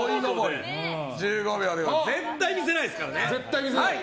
絶対に見せないですからね。